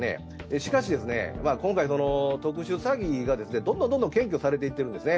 しかし今回、特殊詐欺がどんどん検挙されていってるんですね。